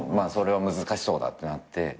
それは難しそうだってなって。